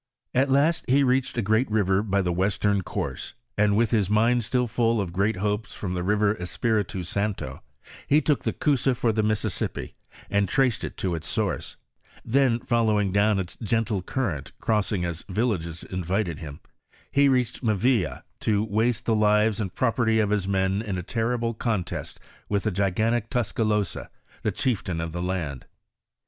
At last he reached a great river by the western courae, and with his mind still full of great hopes from the r^er of Espiritu Santo, he took the Coosa for the Mississippi, and traced it to its source,* then following down its gentle current, crossing as villages invited hiffi, he reached Mavila to waste the lives and property of his men in a terrible contest with»the gigan tic Tuscalosa, the chieftain of the land.